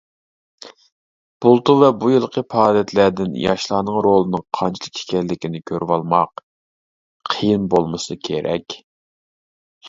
بۇلتۇر ۋە بۇ يىلقى پائالىيەتلەردىن ياشلارنىڭ رولىنىڭ قانچىلىك ئىكەنلىكىنى كۆرۈۋالماق قىيىن بولمىسا كېرەك.